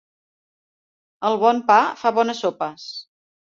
El bon pa fa bones sopes.